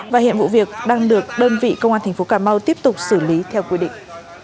và hiện vụ việc đang được đơn vị công an thành phố cà mau tiếp tục xử lý theo quy định